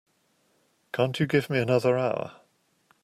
Can't you give me another hour?